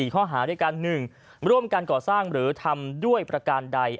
ข้อหาด้วยกัน๑ร่วมการก่อสร้างหรือทำด้วยประการใด